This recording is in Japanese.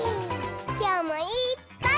きょうもいっぱい。